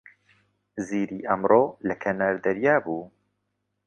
زیری ئەمڕۆ لە کەنار دەریا بوو.